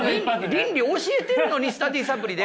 倫理教えてるのにスタディサプリで。